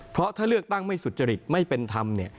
เพราะถ้าเลือกตั้งไม่สุจริตไม่เป็นธรรม